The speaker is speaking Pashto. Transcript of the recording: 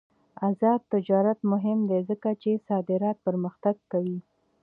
آزاد تجارت مهم دی ځکه چې صادرات پرمختګ کوي.